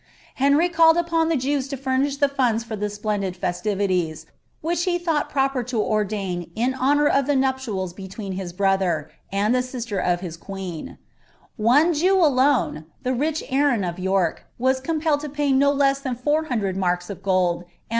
Henry <■■; Jews to furnish the funds for the splendid festivities, whi' proper to ordain in honour of the nuptials between his tir sister of his queen. One Jew alone, the rich Aaron of T ■ pelled to pay no less than four hundred marks of gold, an